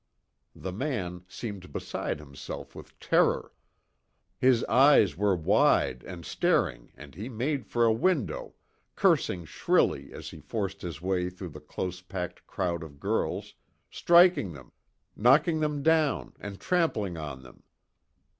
The man seemed beside himself with terror. His eyes were wide and staring and he made for a window, cursing shrilly as he forced his way through the close packed crowd of girls, striking them, knocking them down and trampling on them.